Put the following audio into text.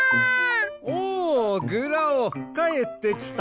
おおグラオかえってきたか。